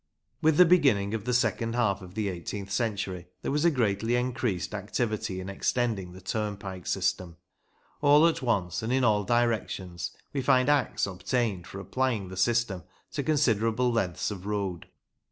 With the beginning of the second half of the eighteenth century there was a greatly increased activity in extending the turnpike system. All at once, and in all directions, we find Acts obtained for applying the system to considerable lengths of road.